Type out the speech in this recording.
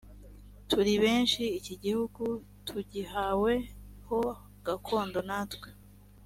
turi benshi iki gihugu tugihawe ho gakondo natwe